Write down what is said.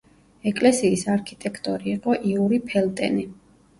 ეკლესიის არქიტექტორი იყო იური ფელტენი.